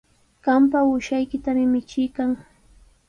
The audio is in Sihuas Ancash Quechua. Qampa uushaykitami michiykan.